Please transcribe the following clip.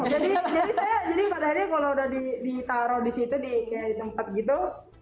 jadi saya jadi padahal kalau udah ditaro disitu di tempat gitu